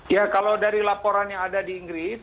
ya kalau dari laporan yang ada di inggris